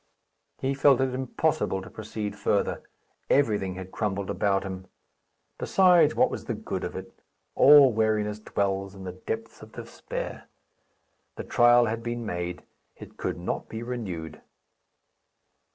He felt it impossible to proceed further. Everything had crumbled about him. Besides, what was the good of it? All weariness dwells in the depths of despair. The trial had been made. It could not be renewed.